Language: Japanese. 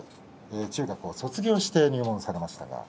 中学を卒業して入門されました。